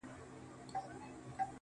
د توري شپې سره خوبونه هېرولاى نه ســم.